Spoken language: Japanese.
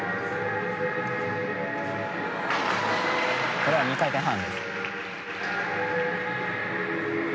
これは２回転半。